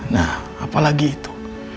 nah apalagi itu